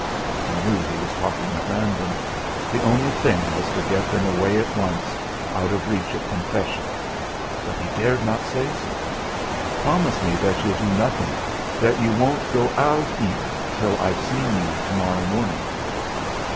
He knew he was talking at random. The only thing was to get them away at once out of reach of confession; but he dared not say so. "Promise me that you'll do nothing, that you won't go out even till I've seen you to morrow morning."